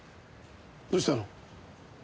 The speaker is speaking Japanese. どうしたの？